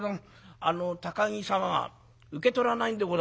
あの高木様受け取らないんでございますよ」。